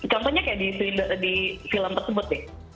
contohnya kayak di film tersebut nih